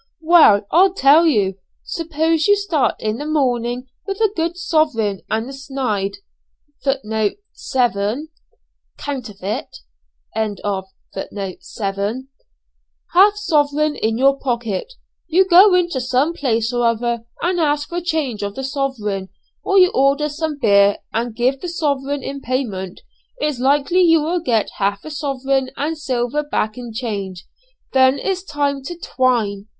Well! I'll tell you. Suppose you start in the morning with a good sovereign and a 'snyde' half sovereign in your pocket; you go into some place or other, and ask for change of the sovereign, or you order some beer and give the sovereign in payment; it's likely you will get half a sovereign and silver back in change. Then is the time to 'twine.'